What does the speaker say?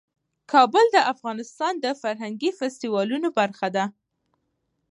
کابل د افغانستان د فرهنګي فستیوالونو برخه ده.